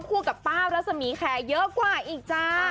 คู่กับป้าวรัศมีแคร์เยอะกว่าอีกจ้า